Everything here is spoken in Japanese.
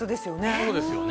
そうですよね。